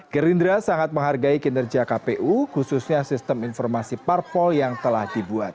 gerindra sangat menghargai kinerja kpu khususnya sistem informasi parpol yang telah dibuat